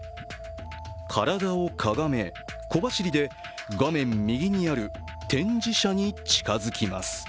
体をかがめ、小走りで画面右にある展示車に近づきます。